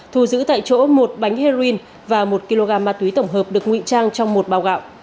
thu giữ tại chỗ một bánh heroin và một kg ma túy tổng hợp được nguy trang trong một bào gạo